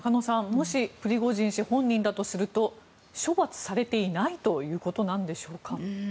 もしプリゴジン氏本人だとすると処罰されていないということなんでしょうか。